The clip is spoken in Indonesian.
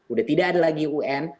udah tidak ada lagi un